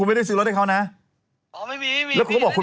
ผมไม่ใช่หนุ่มกัญชัยนะครับผม